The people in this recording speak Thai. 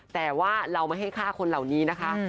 แต่ว่าเราไม่ให้ฆ่าคนเหล่านี้นะคะ